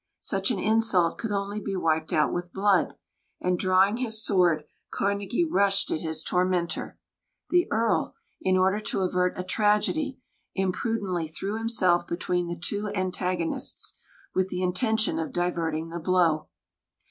Such an insult could only be wiped out with blood; and, drawing his sword, Carnegie rushed at his tormentor. The Earl, in order to avert a tragedy, imprudently threw himself between the two antagonists, with the intention of diverting the blow.